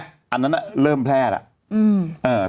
อันนั้นเริ่มแพร่แล้ว